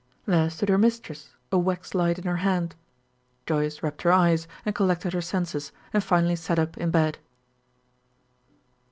There stood her mistress, a wax light in her hand. Joyce rubbed her eyes, and collected her senses, and finally sat up in bed.